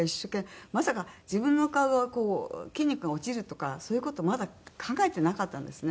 まさか自分の顔が筋肉が落ちるとかそういう事まだ考えてなかったんですね。